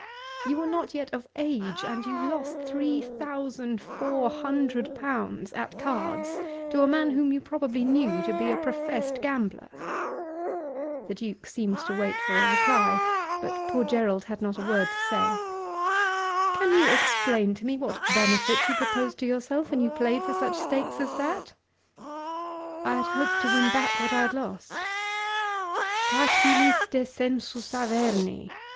You were not yet of age and you lost three thousand four hundred pounds at cards to a man whom you probably knew to be a professed gambler!" The Duke seemed to wait for a reply, but poor Gerald had not a word to say. "Can you explain to me what benefit you proposed to yourself when you played for such stakes as that?" "I hoped to win back what I had lost." "Facilis descensus Averni!"